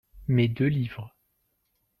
Mes deux livres.